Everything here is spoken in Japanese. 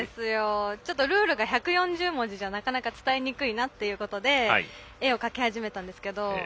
ルールの１４０文字じゃなかなか伝えにくいということで絵を描き始めたんですが。